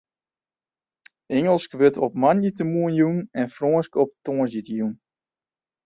Ingelsk wurdt op moandeitemoarn jûn en Frânsk op tongersdeitejûn.